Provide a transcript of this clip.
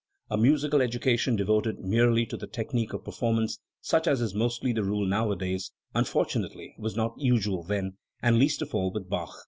A musical education devoted merely to the technique of performance, such as is mostly the rule nowadays, un fortunately, was not usual then, and least of all with Bach.